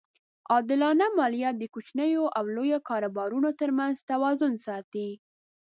عادلانه مالیه د کوچنیو او لویو کاروبارونو ترمنځ توازن ساتي.